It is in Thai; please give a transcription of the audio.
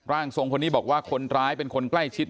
ร่างทรงคนนี้บอกว่าคนร้ายเป็นคนใกล้ชิด